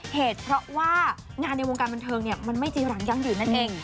เหตุเพราะว่างานในวงการบันเทิงมันไม่จีรังยั่งยืนนั่นเอง